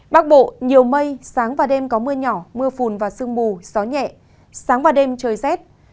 bắc bộ nhiều mây sáng và đêm có mưa nhỏ mưa phùn và sương mù nhẹ sáng và đêm trời rét